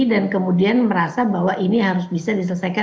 dan kemudian merasa bahwa ini harus bisa diselesaikan